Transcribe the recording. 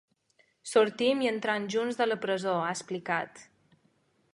Sortim i entrem junts de la presó, ha explicat.